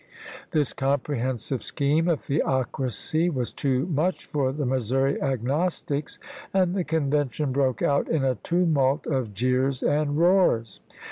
This comprehensive scheme of theocracy was too much for the Missouri agnostics, and the Convention broke out in a tumult of jeers and roars.